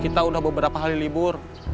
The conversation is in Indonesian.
kita sudah beberapa hari libur